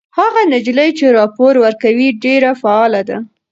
هغه نجلۍ چې راپور ورکوي ډېره فعاله ده.